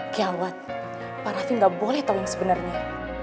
gawat pak raffi nggak boleh tau yang sebenarnya